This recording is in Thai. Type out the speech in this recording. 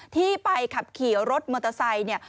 ที่ไปขับขี่รถมอเตอร์ไซค์เนี่ย